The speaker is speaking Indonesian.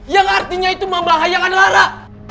yang artinya itu membahayakan lara